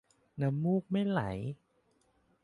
น้ำมูกไม่ไหล